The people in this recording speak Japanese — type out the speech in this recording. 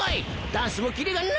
ダンスもキレがない！